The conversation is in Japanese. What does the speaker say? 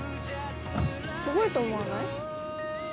すごいと思わない？